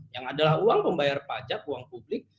yang adalah uang pembayar pajak uang publik